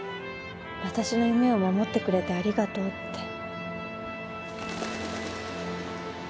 私の夢を守ってくれてありがとうって。